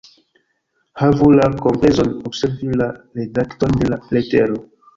Havu la komplezon observi la redakton de la letero.